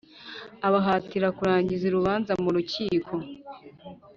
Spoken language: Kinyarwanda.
abahatira kurangiza urubanza mu urukiko